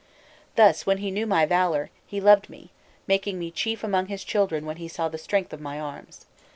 Thus, when he knew my valour, he loved me, making me chief among his children when he saw the strength of my arms.